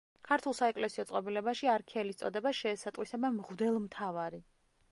ქართულ საეკლესიო წყობილებაში არქიელის წოდებას შეესატყვისება „მღვდელმთავარი“.